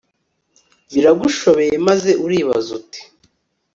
Biragushobeye maze uribaza uti